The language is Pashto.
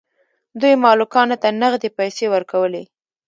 دوی مالکانو ته نغدې پیسې ورکولې.